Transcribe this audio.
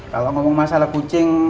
kalau ngomong masalah kucing